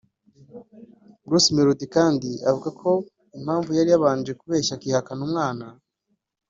Bruce Melodie kandi avuga ko impamvu yari yarabanje kubeshya akihakana umwana